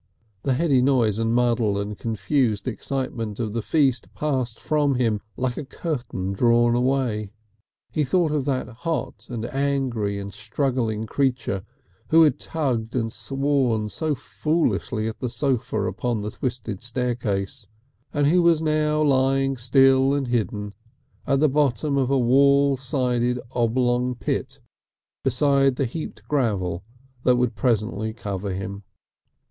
The heady noise and muddle and confused excitement of the feast passed from him like a curtain drawn away. He thought of that hot and angry and struggling creature who had tugged and sworn so foolishly at the sofa upon the twisted staircase, and who was now lying still and hidden, at the bottom of a wall sided oblong pit beside the heaped gravel that would presently cover him.